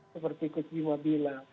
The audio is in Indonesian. seperti kusvima bilang